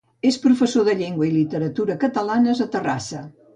És professor de llengua i literatura catalanes a Terrassa.